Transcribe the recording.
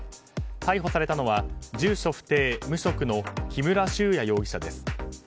逮捕されたのは住所不定・無職の木村宗矢容疑者です。